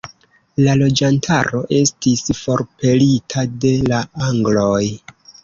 La loĝantaro estis forpelita de la angloj.